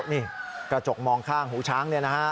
นี่กระจกมองข้างหูช้างเนี่ยนะฮะ